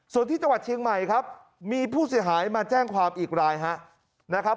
ส่วนที่จังหวัดเชียงใหม่ครับมีผู้เสียหายมาแจ้งความอีกรายนะครับ